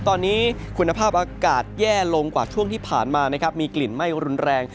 ตอนนี้คุณภาพอากาศแย่ลงกว่าช่วงที่ผ่านมานะครับมีกลิ่นไหม้รุนแรง